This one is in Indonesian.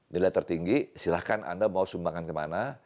nilai tertinggi silahkan anda mau sumbangan kemana